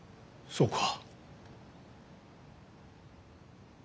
そうか。